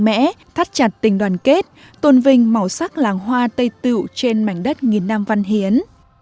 mẽ thắt chặt tình đoàn kết tôn vinh màu sắc làng hoa tây tựu trên mảnh đất nghìn năm văn hiến